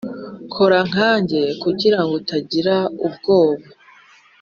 kora nkanjye kugirango utagira ubwoba"